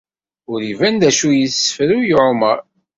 Ur iban d acu i d-yesfurruy ɛumaṛ.